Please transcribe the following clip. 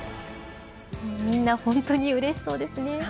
みんな本当にうれしそうですね。